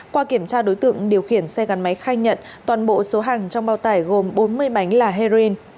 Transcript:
qua kiểm tra đối tượng điều khiển xe gắn máy khai nhận toàn bộ số hàng trong bao tải gồm bốn mươi bánh là heroin